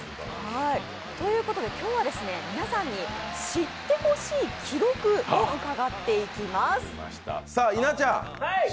ということで今日は皆さんに、知ってほしい記録を伺っていきます。